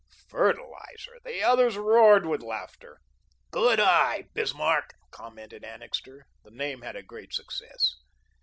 Fertiliser! The others roared with laughter. "Good eye, Bismarck," commented Annixter. The name had a great success.